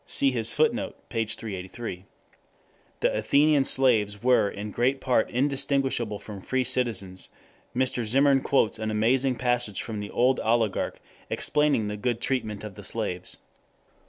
See his footnote, p. 383.] the Athenian slaves were in great part indistinguishable from free citizens Mr. Zimmern quotes an amusing passage from the Old Oligarch explaining the good treatment of the slaves.